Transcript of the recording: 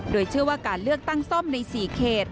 โดยเชื่อว่าการเลือกตั้งซ่อมใน๔เขต